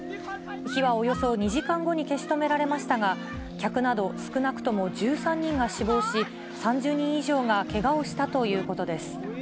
火はおよそ２時間後に消し止められましたが、客など少なくとも１３人が死亡し、３０人以上がけがをしたということです。